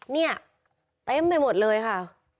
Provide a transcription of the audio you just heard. เนี่ยเต็มไปหมดเลยค่ะ